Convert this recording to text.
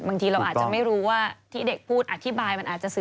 บางทีเราอาจจะไม่รู้ว่าที่เด็กพูดอธิบาย